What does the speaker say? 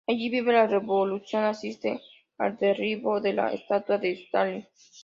Allí vive la revolución y asiste al derribo de la estatua de Stalin.